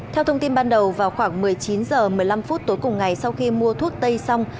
theo thông tin ban đầu vào khoảng một mươi chín h một mươi năm phút tối cùng ngày sau khi mua thuốc tây xong